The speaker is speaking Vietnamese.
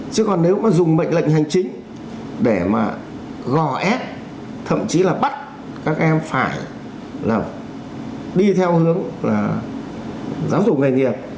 chứ còn nếu mà dùng mệnh lệnh hành chính để mà gò ép thậm chí là bắt các em phải là đi theo hướng là giáo dục nghề nghiệp